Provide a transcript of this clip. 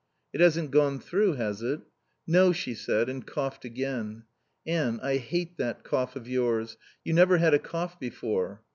"It hasn't gone through, has it?" "No," she said and coughed again. "Anne, I hate that cough of yours. You never had a cough before."